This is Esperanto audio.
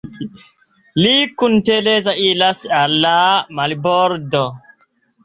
Li kun Tereza iras al la marbordo.